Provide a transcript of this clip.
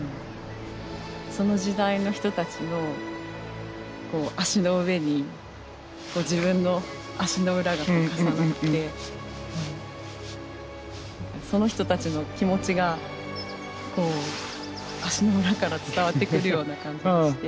その時代の人たちの足の上に自分の足の裏が重なってその人たちの気持ちが足の裏から伝わってくるような感じがして。